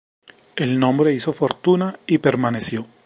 El nombre hizo fortuna y permaneció.